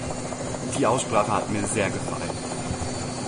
Die Aussprache hat mir sehr gefallen.